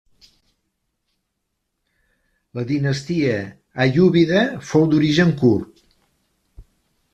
La dinastia aiúbida fou d'origen kurd.